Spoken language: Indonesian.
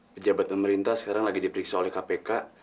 pejabat pemerintah sekarang lagi diperiksa oleh kpk